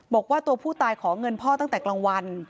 บอกว่าตัวผู้ตายขอเงินพ่อตั้งแต่กลางวัน